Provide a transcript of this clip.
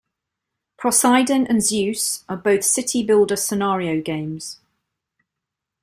"Poseidon" and "Zeus" are both city builder scenario games.